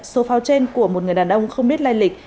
số pháo trên của một người đàn ông không biết lai lịch